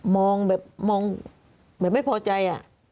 มองแบบมองแบบไม่พอใจ